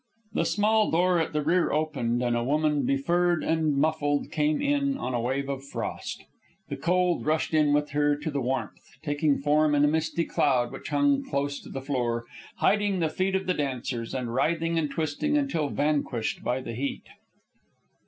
The small door at the rear opened, and a woman, befurred and muffled, came in on a wave of frost. The cold rushed in with her to the warmth, taking form in a misty cloud which hung close to the floor, hiding the feet of the dancers, and writhing and twisting until vanquished by the heat.